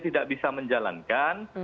tidak bisa menjalankan